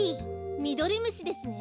ミドリムシですね。